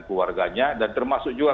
keluarganya dan termasuk juga